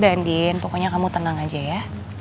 din pokoknya kamu tenang aja ya